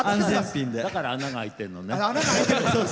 だから穴が開いてるのね。